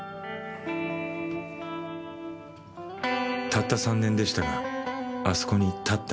たった３年でしたがあそこに立った。